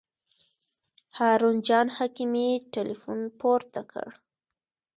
هارون جان حکیمي تیلفون پورته کړ.